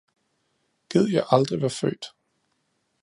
Gid jeg aldrig var født